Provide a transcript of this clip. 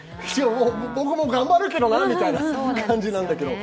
僕も頑張るけどな、みたいな感じなんだけどね。